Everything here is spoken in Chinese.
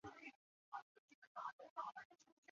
亚利桑那州采用两轮选举制。